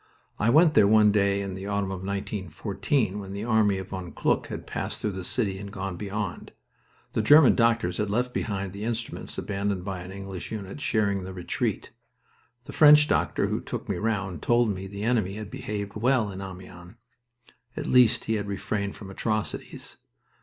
I went there one day in the autumn of 1914, when the army of von Kluck had passed through the city and gone beyond. The German doctors had left behind the instruments abandoned by an English unit sharing the retreat. The French doctor who took me round told me the enemy had behaved well in Amiens. At least he had refrained from atrocities.